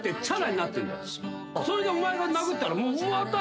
それでお前が殴ったらまた。